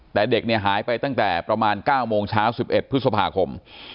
แต่เด็กเนี่ยหายไปตั้งแต่ประมาณ๙โมงเช้า๑๑พฤษภาคม